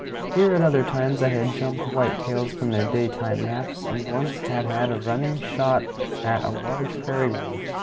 Here at other times I had jumped whitetails from their daytime naps, and once had had a running shot at a large prairie wolf.